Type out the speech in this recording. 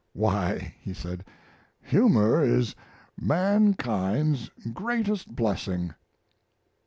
"Why," he said, "humor is mankind's greatest blessing."